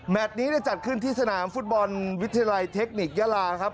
นี้จัดขึ้นที่สนามฟุตบอลวิทยาลัยเทคนิคยาลาครับ